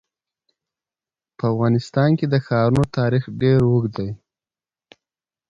په افغانستان کې د ښارونو تاریخ ډېر اوږد دی.